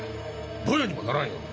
ぼやにもならんよ。